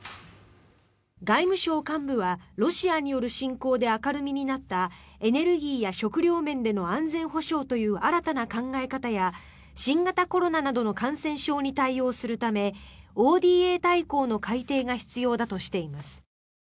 外務省幹部はロシアによる侵攻で明るみになったエネルギーや食料面での安全保障という新たな考え方や新型コロナなどの感染症に対応するためＯＤＡ大綱の改定が必要だとしています。